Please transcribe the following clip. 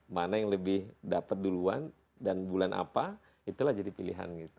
mana yang lebih dapat duluan dan bulan apa itulah jadi pilihan gitu